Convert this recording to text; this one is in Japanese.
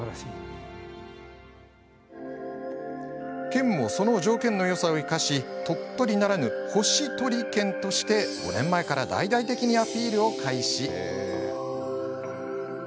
県も、その条件よさを生かし鳥取ならぬ星取県として５年前から大々的にアピールを開始。